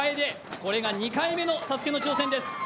これが２回目のＳＡＳＵＫＥの挑戦です。